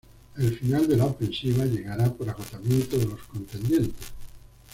El final de la ofensiva llegará por agotamiento de los contendientes.